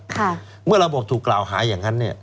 ค่ะเมื่อระบบถูกกล่าวหาอย่างนั้นเนี้ย